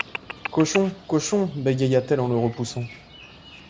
Cochon! cochon ! bégaya-t-elle en le repoussant.